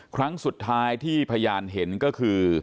ครั้งสุดท้ายที่พยานเห็นก็คือ